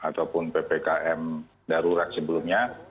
ataupun ppkm darurat sebelumnya